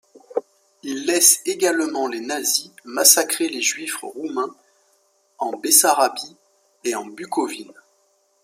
Il laisse également les nazis massacrer les Juifs roumains en Bessarabie et en Bucovine.